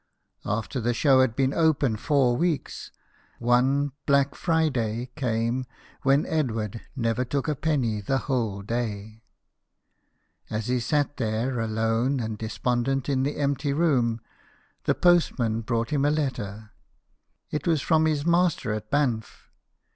After the show had been open four weeks, one black Friday came when Edward never took a penny the whole day. As he sat there alone and despondent in the empty room, the postman brought him a letter. It was from his master at Banff.